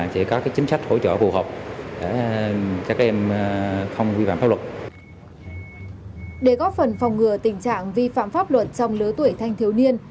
để góp phần phòng ngừa tình trạng vi phạm pháp luật trong lứa tuổi thanh thiếu niên